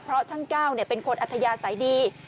เพราะช่างก้าวเป็นคนอัธยาศัยดี